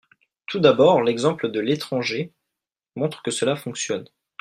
Tout d’abord, l’exemple de l’étranger montre que cela fonctionne.